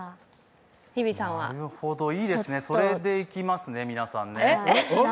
なるほど、いいですね、それでいきますね、皆さんね。